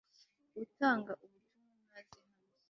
utanga ubutumwa naze hano